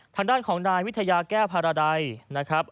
ทางด้านของนายวิทยาแก้วภารใดนะครับ